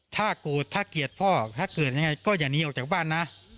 ถ้าโกรธถ้าเกลียดพ่อถ้าเกิดยังไงก็อย่าหนีออกจากบ้านนะ